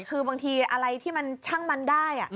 คือบางทีอะไรที่มันช่างมันได้